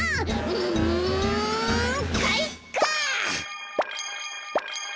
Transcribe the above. うんかいか！